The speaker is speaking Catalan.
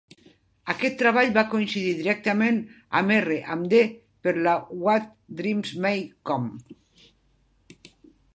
Aquest treball va coincidir directament amb R and D per a "What Dreams May Come".